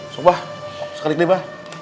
sumpah sekali kali bah